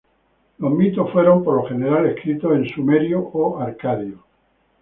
Los mitos fueron, por lo general, escritos en sumerio o acadio.